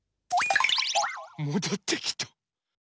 もどってきた！